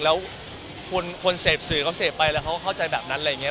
แล้วคนเสพสื่อเขาเสพไปแล้วเขาก็เข้าใจแบบนั้นอะไรอย่างนี้